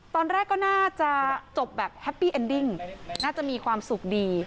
ตอนแรกก็น่าจะจบแบบแฮปปี้เอ็นดิ้งน่าจะมีความสุขดี